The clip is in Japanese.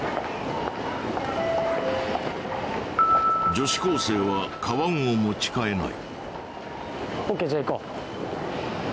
女子高生はカバンを持ち替えない。